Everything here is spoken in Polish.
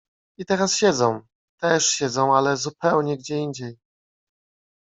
I teraz siedzą. Też siedzą, ale zupełnie gdzie indziej.